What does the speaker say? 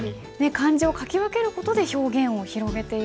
漢字を書き分ける事で表現を広げているんですね。